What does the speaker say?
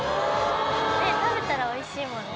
食べたらおいしいもんね。